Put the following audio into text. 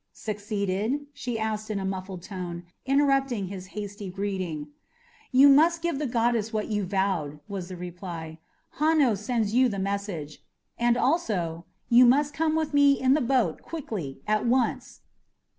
"Succeeded?" she asked in a muffled tone, interrupting his hasty greeting. "You must give the goddess what you vowed," was the reply. "Hanno sends you the message. And also, 'You must come with me in the boat quickly at once!